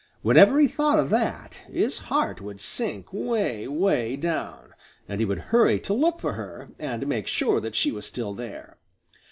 Whenever he thought of that, his heart would sink way, way down, and he would hurry to look for her and make sure that she was still there.